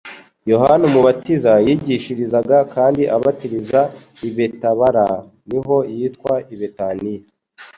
Yohana Umubatiza yigishirizaga kandi abatiriza i Betabara niho hitwa i Betaniya;